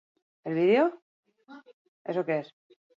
Baina egia esan, beste lan bikain batzuk ere egin dituzue.